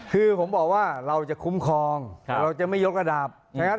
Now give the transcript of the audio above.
คือผมบอกว่าเราจะคุ้มครองเราจะไม่ยกกระดาษ